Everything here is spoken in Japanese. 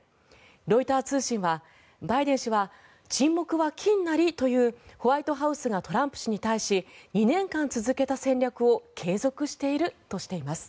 ロイター通信は、バイデン氏は沈黙は金なりというホワイトハウスがトランプ氏に対し２年間続けた戦略を継続しているとしています。